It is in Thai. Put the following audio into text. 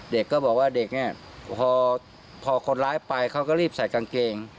เด็กก็บอกว่าเด็กเนี่ยพอคนร้ายไปเขาก็รีบใส่กางเกง